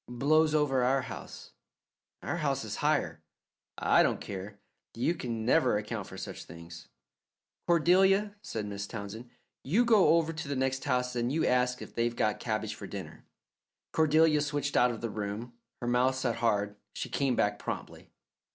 "Blows over our house." "Our house is higher." "I don't care; you can never account for such things." "Cordelia," said Mrs. Townsend, "you go over to the next house and you ask if they've got cabbage for dinner." Cordelia switched out of the room, her mouth set hard. She came back promptly.